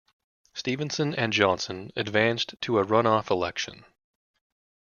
Stevenson and Johnson advanced to a runoff election.